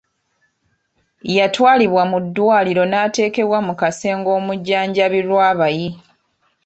Yatwalibwa mu ddwaliro n'ateekebwa mu kasenge omujjanjabirwa abayi.